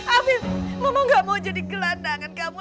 afif mama tidak mau jadi kelantangan kamu